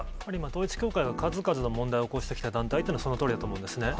統一教会が数々の問題を起こしてきた団体というのは、そのとおりだと思うんですね。